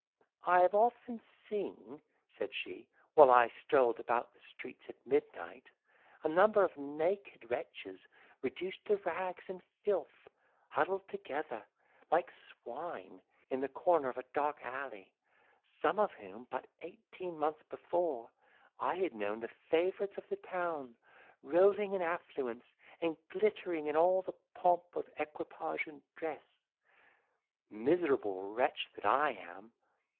"I have often seen," said she, "while I strolled about the streets at midnight, a number of naked wretches reduced to rags and filth, huddled together like swine, in the corner of a dark alley, some of whom, but eighteen months before, I had known the favourites of the town, rolling in affluence, and glittering in all the pomp of equipage and dress. Miserable wretch that I am!